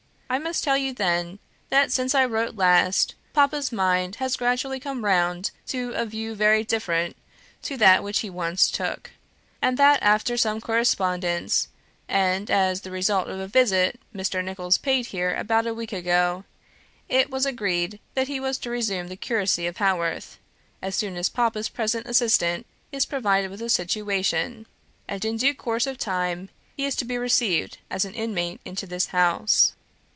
I must tell you then, that since I wrote last, papa's mind has gradually come round to a view very different to that which he once took; and that after some correspondence, and as the result of a visit Mr. Nicholls paid here about a week ago, it was agreed that he was to resume the curacy of Haworth, as soon as papa's present assistant is provided with a situation, and in due course of time he is to be received as an inmate into this house.